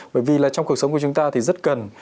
bởi vì là trong cuộc sống của chúng ta thì rất cần